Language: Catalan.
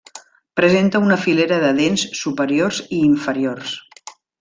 Presenta una filera de dents superiors i inferiors.